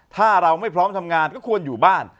ถ้าเราไม่พร้อมทำงานก็ควรอยู่บ้าน